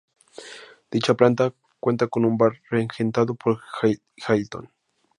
Dicha planta cuenta con un bar regentado por el Hilton.